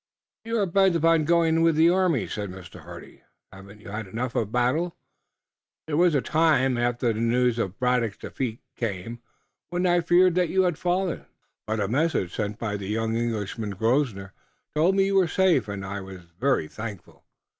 "You are bent upon going with the army?" said Mr. Hardy. "Haven't you had enough of battle? There was a time, after the news of Braddock's defeat came, when I feared that you had fallen, but a message sent by the young Englishman, Grosvenor, told me you were safe, and I was very thankful.